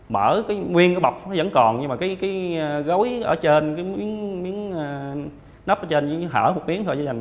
mở cái nguyên bọc vẫn còn nhưng mà cái gối ở trên cái miếng nắp trên những thở một tiếng thôi dành